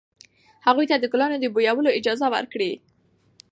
هغوی ته د ګلانو د بویولو اجازه ورکړئ.